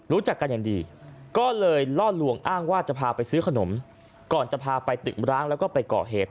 รู้จักกันอย่างดีก็เลยล่อลวงอ้างว่าจะพาไปซื้อขนมก่อนจะพาไปตึกร้างแล้วก็ไปก่อเหตุ